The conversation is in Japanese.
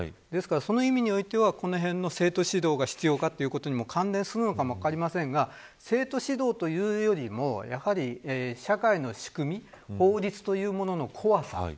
ですから、その意味においてもこのへんの生徒指導が必要なことも関連するかもしれませんが生徒指導というよりも社会の仕組み法律というものの怖さ